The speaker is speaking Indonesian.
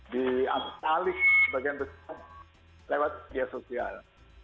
di apestalis sebagian besar lewat media sosial